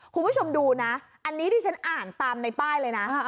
คุณผู้ชมดูนะอันนี้ที่ฉันอ่านตามในป้ายเลยนะ